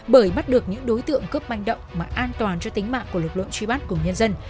bởi bắt được những đối tượng cướp manh động mà an toàn cho tính mạng của lực lượng truy bắt của nhân dân